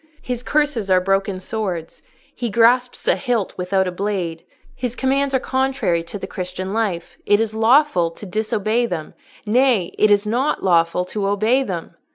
His curses are broken swords: he grasps a hilt without a blade. His commands are contrary to the Christian life: it is lawful to disobey them—nay, it is not lawful to obey them."